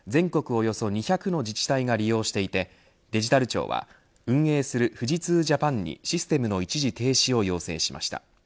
およそ２００の自治体が利用していてデジタル庁は運営する富士通Ｊａｐａｎにシステムの一時停止を要請しました。